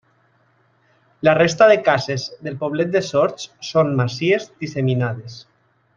La resta de cases del poblet de Sords són masies disseminades.